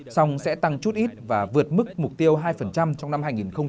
xong sẽ tăng chút ít và vượt mức mục tiêu hai trong năm hai nghìn một mươi chín